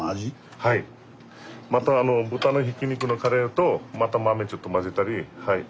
また豚のひき肉のカレーとまた豆ちょっと混ぜたりはい。